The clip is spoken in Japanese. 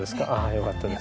よかったです。